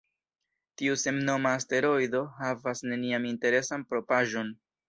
Tiu sennoma asteroido havas nenian interesan propraĵon.